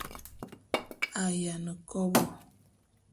A yiane kobô.